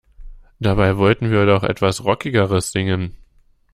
Dabei wollten wir doch etwas Rockigeres singen.